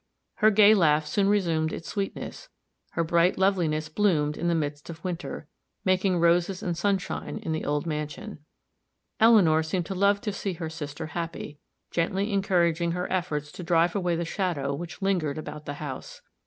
Her gay laugh soon resumed its sweetness; her bright loveliness bloomed in the midst of winter, making roses and sunshine in the old mansion. Eleanor seemed to love to see her sister happy, gently encouraging her efforts to drive away the shadow which lingered about the house.